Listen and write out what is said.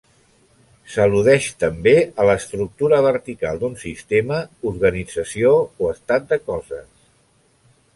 S'al·ludeix també a l'estructura vertical d'un sistema, organització o estat de coses.